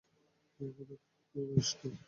আমার আত্মার কোনো বয়স নেই।